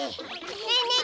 ねえねえ